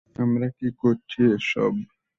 আমরা কী করছি এসব?